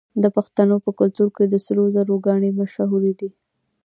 د پښتنو په کلتور کې د سرو زرو ګاڼې مشهورې دي.